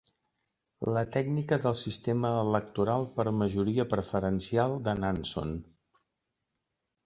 La tècnica del sistema electoral per majoria preferencial de Nanson.